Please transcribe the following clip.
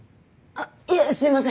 あっいえすいません。